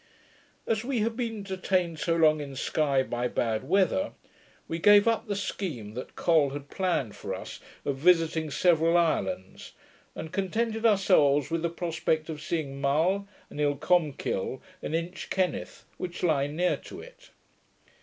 As we had been detained so long in Sky by bad weather, we gave up the scheme that Col had planned for us of visiting several islands, and contented ourselves with the prospect of seeing Mull, and Icolmkill and Inchkenneth, which lie near to it.